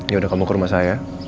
yaudah kamu ke rumah saya